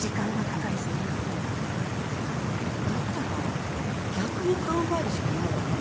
だったら逆に考えるしかないわね。